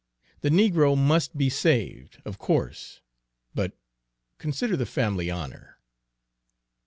The negro must be saved, of course, but consider the family honor."